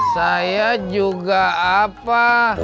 saya juga apa